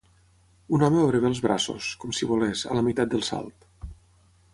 Un home obre bé els braços, com si volés, a la meitat del salt.